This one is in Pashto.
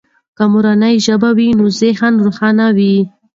که مورنۍ ژبه وي نو ذهن روښانه وي.